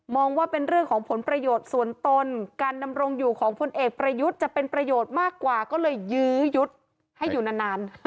ว่าเป็นเรื่องของผลประโยชน์ส่วนตนการดำรงอยู่ของพลเอกประยุทธ์จะเป็นประโยชน์มากกว่าก็เลยยื้อยุดให้อยู่นาน